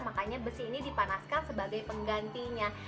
makanya besi ini dipanaskan sebagai penggantinya